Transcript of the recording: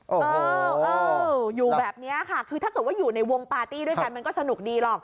เอออยู่แบบนี้ค่ะคือถ้าเกิดว่าอยู่ในวงปาร์ตี้ด้วยกันมันก็สนุกดีหรอก